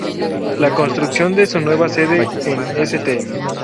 La construcción de su nueva sede en St.